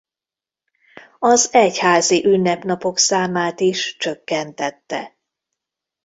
Az egyházi ünnepnapok számát is csökkentette.